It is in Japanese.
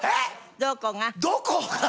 「どこが」！？